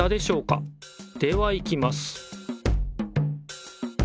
ではいきます